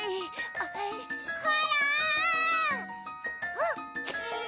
あっ！